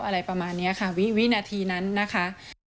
อะไรประมาณนี้ค่ะวินาทีนั้นนะคะ